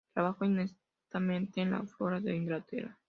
Trabajó intensamente en la flora de Inglaterra.